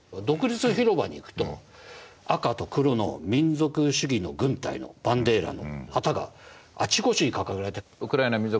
独立広場に行くと赤と黒の民族主義の軍隊のバンデーラの旗があちこちに掲げられている。